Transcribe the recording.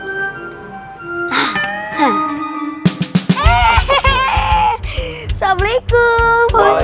assalamualaikum pak ustadz